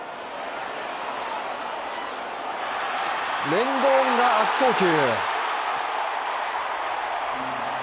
レンドーンが悪送球。